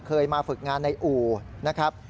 เคยมาฝึกงานในอู่นะครับ